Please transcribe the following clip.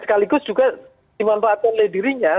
sekaligus juga dimanfaatkan oleh dirinya